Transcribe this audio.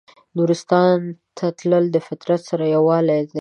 نورستان ته تلل د فطرت سره یووالی دی.